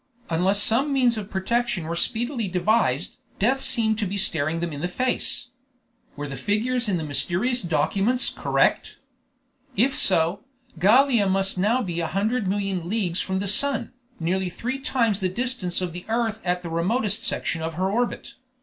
Unless some means of protection were speedily devised, death seemed to be staring them in the face. Were the figures in the mysterious documents correct? If so, Gallia must now be a hundred millions of leagues from the sun, nearly three times the distance of the earth at the remotest section of her orbit.